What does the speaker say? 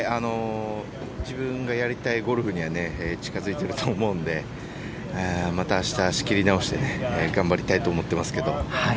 自分がやりたいゴルフには近づいてると思うんでまた明日、仕切り直して頑張りたいと思ってますけど。